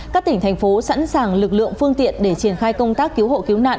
các tỉnh thành phố sẵn sàng lực lượng phương tiện để triển khai công tác cứu hộ cứu nạn